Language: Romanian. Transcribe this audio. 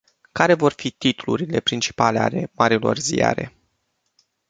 Care vor fi titlurile principale ale marilor ziare?